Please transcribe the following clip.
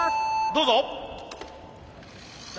どうぞ！